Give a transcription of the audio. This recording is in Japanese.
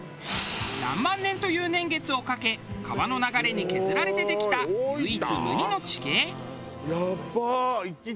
何万年という年月をかけ川の流れに削られてできた唯一無二の地形。